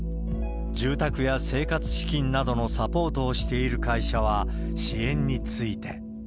住宅や生活資金などのサポートをしている会社は、支援について。